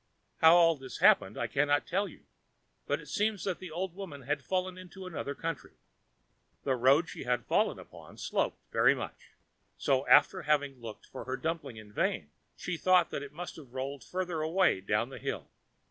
How all this happened I cannot tell you, but it seems that the old woman had fallen into another country. The road she had fallen upon sloped very much; so, after having looked for her dumpling in vain, she thought that it must have rolled farther away down the hill.